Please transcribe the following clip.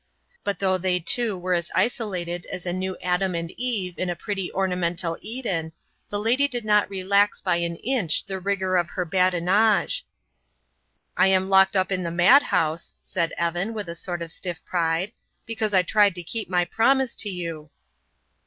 But though they two were as isolated as a new Adam and Eve in a pretty ornamental Eden, the lady did not relax by an inch the rigour of her badinage. "I am locked up in the madhouse," said Evan, with a sort of stiff pride, "because I tried to keep my promise to you."